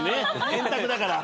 円卓だから。